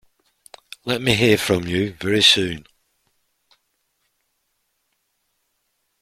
Let me hear from you very soon.